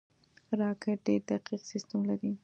راکټ ډېر دقیق سیستم لري